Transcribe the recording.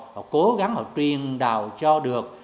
họ cố gắng họ truyền đạo cho được